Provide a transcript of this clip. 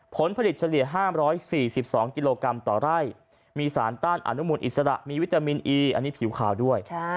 ผลผลิตเฉลี่ย๕๔๒กิโลกรัมต่อไร่มีสารต้านอนุมูลอิสระมีวิตามินอีอันนี้ผิวขาวด้วย